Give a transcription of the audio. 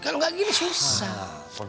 kalau nggak gini susah